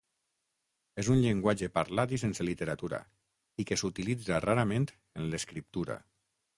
És un llenguatge parlat i sense literatura, i que s'utilitza rarament en l'escriptura.